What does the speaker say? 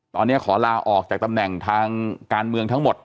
ตอนนี้ขอลาออกจากตำแหน่งทางการเมืองทั้งหมด